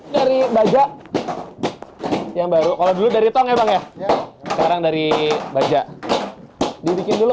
dari baja yang baru kalau dulu dari tong ya bang ya sekarang dari baja dibikin dulu